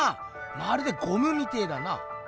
まるでゴムみてぇだな。